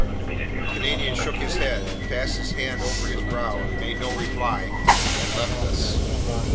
The Canadian shook his head, passed his hand over his brow, made no reply, and left us.